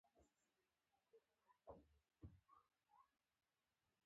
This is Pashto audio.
ډېر عاید ډېره شتمني رامنځته کوي.